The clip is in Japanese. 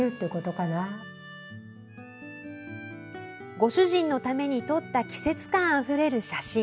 ご主人のために撮った季節感あふれる写真。